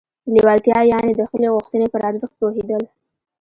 لېوالتیا يانې د خپلې غوښتنې پر ارزښت پوهېدل.